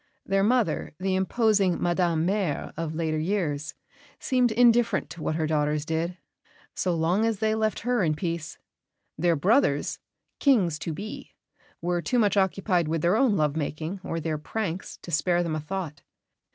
Their mother, the imposing Madame Mère of later years, seemed indifferent what her daughters did, so long as they left her in peace; their brothers, Kings to be, were too much occupied with their own love making or their pranks to spare them a thought.